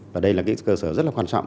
và đây là cái cơ sở rất là quan trọng